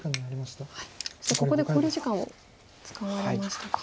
そしてここで考慮時間を使われましたか。